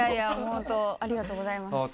本当、ありがとうございます。